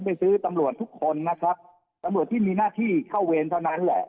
ไปซื้อตำรวจทุกคนนะครับตำรวจที่มีหน้าที่เข้าเวรเท่านั้นแหละ